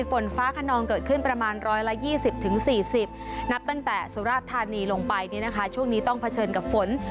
ฝนฟ้าขนองเกิดขึ้นประมาณร้อยละยี่สิบถึงสี่สิบ